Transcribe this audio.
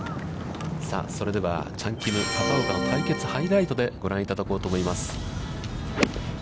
さあそれでは、チャン・キム、片岡の対決、ハイライトでご覧いただこうと思います。